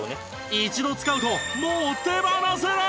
一度使うともう手放せない！